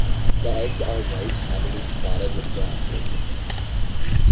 The eggs are white heavily spotted with brown.